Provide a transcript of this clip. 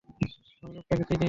আমি লোকটাকে চিনি।